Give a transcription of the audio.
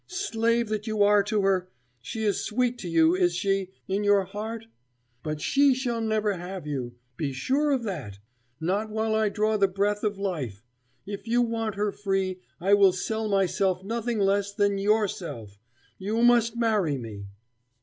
Slave that you are to her! she is sweet to you, is she, in your heart? But she shall never have you be sure of that not while I draw the breath of life! If you want her free, I will sell myself for nothing less than yourself you must marry me!"